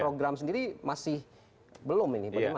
program sendiri masih belum ini bagaimana